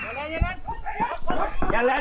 อย่าแรนอย่าแรน